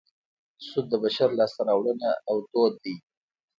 سود د بشر لاسته راوړنه او دود دی